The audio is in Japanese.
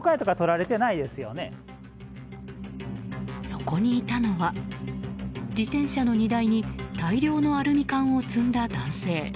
そこにいたのは自転車の荷台に大量のアルミ缶を積んだ男性。